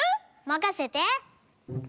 まかせて！